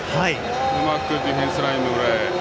うまくディフェンスラインの裏へ。